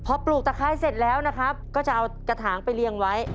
พอปลูกตะไคร้เสร็จแล้วนะครับก็จะเอากระถางไปเรียงไว้